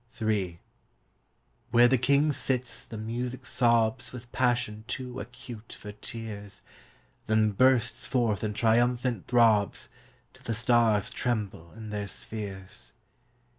Ill Where the king sits the music sobs With passion too acute for tears, Then bursts forth in triumphant throbs Till the stars tremble in their spheres.